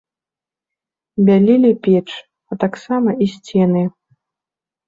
Бялілі печ, а таксама і сцены.